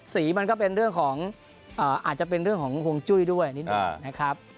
สีมันก็เป็นเรื่องของอาจจะเป็นเรื่องของฮวงจุ้ยด้วยนิดหนึ่งนะครับ